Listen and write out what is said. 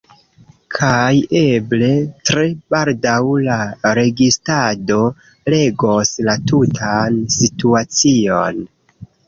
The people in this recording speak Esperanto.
Kaj eble tre baldaŭ la registrado regos la tutan situacion